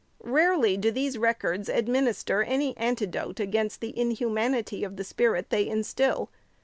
Rarely do these records administer any antidote against the inhumanity of the spirit they instil.